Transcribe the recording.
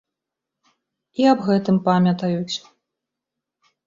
І аб гэтым памятаюць.